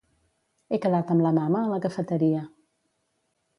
He quedat amb la mama a la cafeteria.